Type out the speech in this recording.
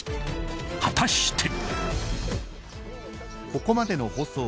果たして］